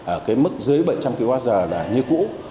ở mức dưới bảy trăm linh kwh như cũ